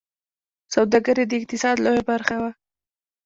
سوداګري د اقتصاد لویه برخه وه